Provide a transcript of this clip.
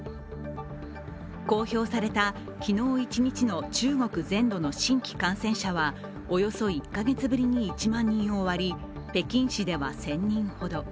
公表された昨日、一日の中国全土の新規感染者は、およそ１カ月ぶりに１万人を割り、北京市では１０００人ほど。